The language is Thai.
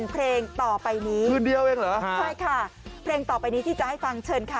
เพลงต่อไปนี้คืนเดียวเองเหรอฮะใช่ค่ะเพลงต่อไปนี้ที่จะให้ฟังเชิญค่ะ